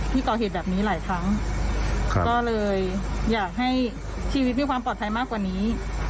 ที่ก่อเหตุแบบนี้หลายครั้งก็เลยอยากให้ชีวิตมีความปลอดภัยมากกว่านี้